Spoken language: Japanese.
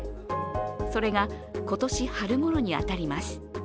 それが、今年春ごろに当たります。